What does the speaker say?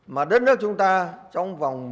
mà đất nước chúng ta sẽ không có tổng số công trình